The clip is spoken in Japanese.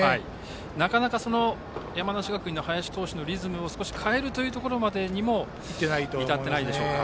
なかなか山梨学院の林投手のリズムを少し変えるというところまでにも至っていないでしょうか。